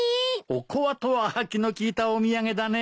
おこわとは気の利いたお土産だね。